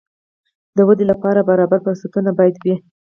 د ودې لپاره برابر فرصتونه باید وي.